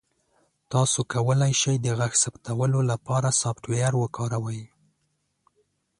تاسو کولی شئ د غږ ثبتولو لپاره سافټویر وکاروئ.